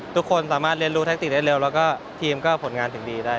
ทุกคนสามารถเรียนรู้แท็กติกได้เร็วแล้วก็ทีมก็ผลงานถึงดีได้